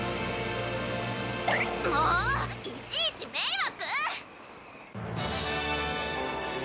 もういちいち迷惑！